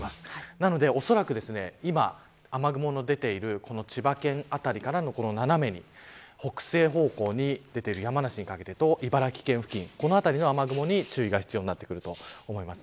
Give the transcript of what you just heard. なので、おそらく今雨雲の出ている千葉県辺りからの斜めに、北西方向に出ている山梨にかけてと茨城県付近この辺りの雨雲に注意が必要になってくると思います。